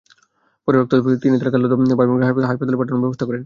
পরে রক্তাক্ত অবস্থায় তাঁর তিন খালাতো ভাইবোনকে হাসপাতালে পাঠানোর ব্যবস্থা করেন।